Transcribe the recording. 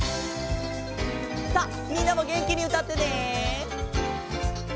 さあみんなもげんきにうたってね！